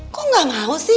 kok gak mau sih